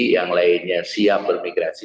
yang lainnya siap bermigrasi